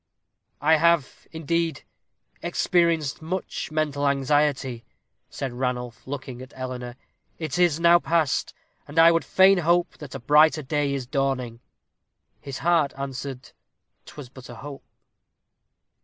"I have, indeed, experienced much mental anxiety," said Ranulph, looking at Eleanor; "it is now past, and I would fain hope that a brighter day is dawning." His heart answered, 'twas but a hope.